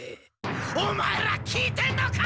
オマエら聞いてんのか！